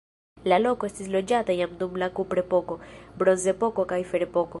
La loko estis loĝata jam dum la kuprepoko, bronzepoko kaj ferepoko.